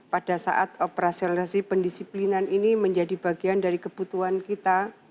pada saat operasionalisasi pendisiplinan ini menjadi bagian dari kebutuhan kita